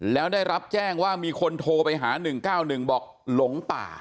แล้วได้รับแจ้งว่ามีคนโทรไปหา๑๙๑บอกหลงป่า